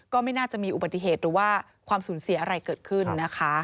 ก็ไม่น่าจะมีอุบัติเหตุหรือว่าความสูญเสียอะไรเกิดขึ้นนะคะ